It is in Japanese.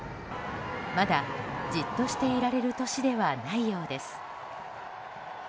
まだじっとしていられる年ではないようです。